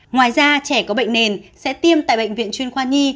ngoài ra trẻ có bệnh nền sẽ tiêm tại bệnh viện chuyên khoa nhi